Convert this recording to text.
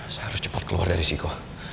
saya harus cepat keluar dari siko